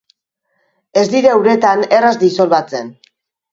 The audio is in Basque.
Ez dira uretan erraz disolbatzen.